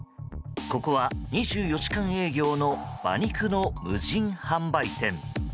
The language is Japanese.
ここは２４時間営業の馬肉の無人販売店。